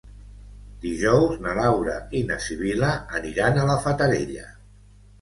Dijous na Laura i na Sibil·la aniran a la Fatarella.